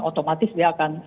otomatis dia akan